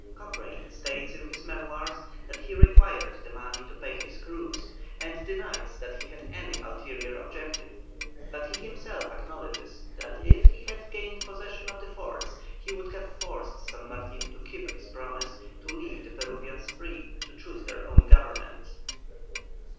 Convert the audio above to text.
Cochrane states in his Memoirs, that he required the money to pay his crews, and denies that he had any ulterior object, but he himself acknowledges that if he had gained possession of the forts, he would have forced San Martin to keep his promise to leave the Peruvians free to choose their own government.